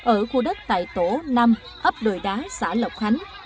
ở khu đất tại tổ năm ấp đồi đá xã lộc khánh